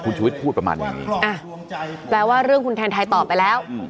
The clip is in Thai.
คุณชุวิตพูดประมาณนี้อ่ะแปลว่าเรื่องคุณแทนไทยตอบไปแล้ว